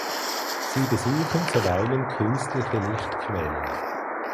Sie besuchen zuweilen künstliche Lichtquellen.